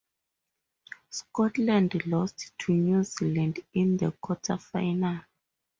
Scotland lost to New Zealand in the quarter-final.